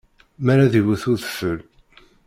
Mi ara d-iwwet udfel.